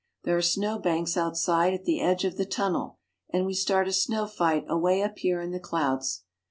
There are snow banks outside at the edge of the tunnel, and we start a snow fight away up here in the clouds.